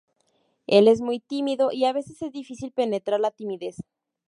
Él es muy tímido y a veces es difícil penetrar la timidez.